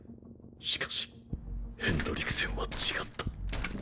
しかしヘンドリクセンは違った。